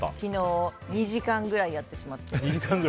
２時間ぐらいやってしまって。